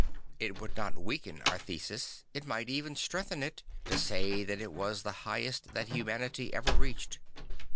It would not weaken our thesis, it might even strengthen it, to say that it was the highest that humanity ever reached.